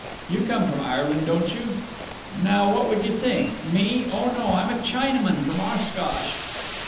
You come from Ireland, don't you?" "Now what would you think? Me—oh no; I'm a Chinaman from Oshkosh!"